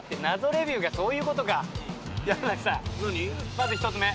まず１つ目。